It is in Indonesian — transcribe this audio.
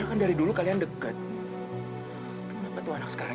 kata ibu belum pulang sampe sekarang